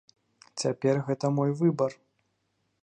Цяпер гэта мой выбар.